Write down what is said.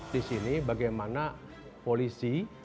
di sini bagaimana polisi